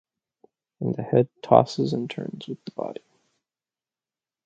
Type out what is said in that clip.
And the head tosses and turns with the body.